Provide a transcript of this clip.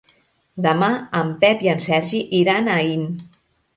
Demà en Pep i en Sergi iran a Aín.